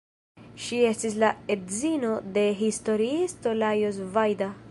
Ŝi estis la edzino de historiisto Lajos Vajda.